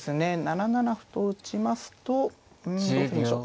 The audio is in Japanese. ７七歩と打ちますとうんどうするんでしょう。